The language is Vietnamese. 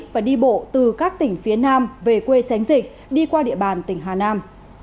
và đi bộ từ các tỉnh phía nam về quê tránh dịch đi qua địa bàn tỉnh hà nam